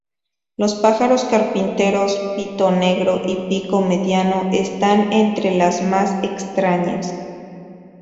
Los pájaros carpinteros pito negro y pico mediano están entre las más extrañas.